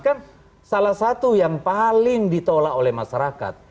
kan salah satu yang paling ditolak oleh masyarakat